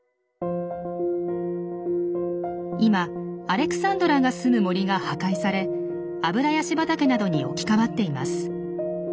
今アレクサンドラがすむ森が破壊されアブラヤシ畑などに置き換わっています。